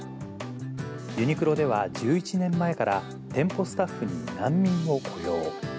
ユニクロでは１１年前から、店舗スタッフに難民を雇用。